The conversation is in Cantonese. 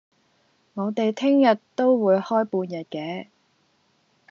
我哋聽日都會開半日嘅